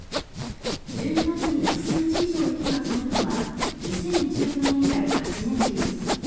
１２月に１０ｃｍ以上雪が積もるのは２０１４年以来８年ぶりです。